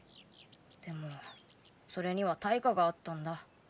でもそれには対価があったんだ。